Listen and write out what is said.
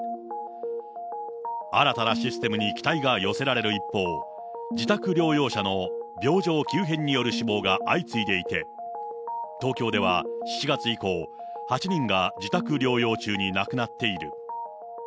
新たなシステムに期待が寄せられる一方、自宅療養者の病状急変による死亡が相次いでいて、東京では７月以降、８人が自宅療養中に亡くなっている。